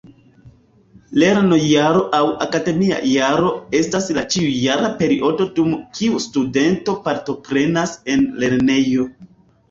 Lernojaro aŭ akademia jaro estas la ĉiujara periodo dum kiu studento partoprenas en lernejo.